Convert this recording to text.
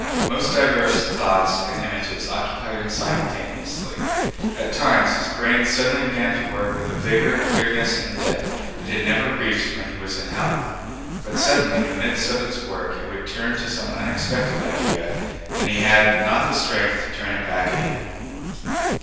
Most diverse thoughts and images occupied him simultaneously. At times his brain suddenly began to work with a vigor, clearness, and depth it had never reached when he was in health, but suddenly in the midst of its work it would turn to some unexpected idea and he had not the strength to turn it back again.